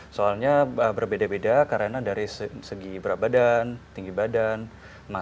soalnya berbeda beda karena dari segi berat badan tinggi badan masa otot masa lemak